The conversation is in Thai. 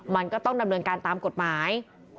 มันก็ต้องดำเนินการตามกฎหมาย